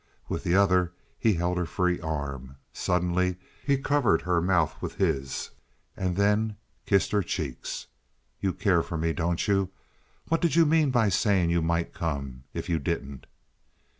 With the other he held her free arm. Suddenly he covered her mouth with his and then kissed her cheeks. "You care for me, don't you? What did you mean by saying you might come, if you didn't?"